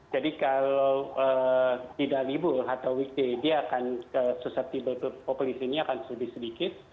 jadi kalau tidak libur atau weekday dia akan susceptible populasinya akan sedikit